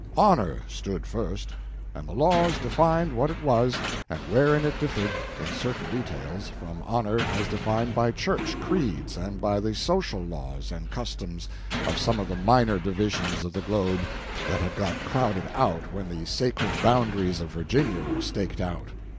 Honor stood first; and the laws defined what it was and wherein it differed in certain details from honor as defined by church creeds and by the social laws and customs of some of the minor divisions of the globe that had got crowded out when the sacred boundaries of Virginia were staked out.